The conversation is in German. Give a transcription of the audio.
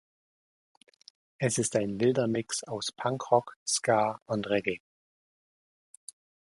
Es ist ein wilder Mix aus Punkrock, Ska und Reggae.